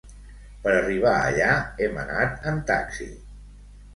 Per arribar allà hem anat en taxi.